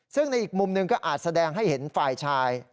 ซึ่งในอีกมุมหนึ่งก็อาจแสดงให้เห็นฝ่ายชาย